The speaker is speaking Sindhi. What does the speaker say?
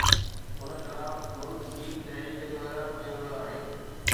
ان خلاف ملڪ گير تحريڪ جو اعلان ڪيو ويو آهي